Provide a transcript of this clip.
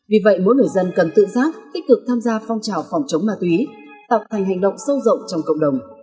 vì vậy mỗi người dân cần tự giác tích cực tham gia phong trào phòng chống ma túy tạo thành hành động sâu rộng trong cộng đồng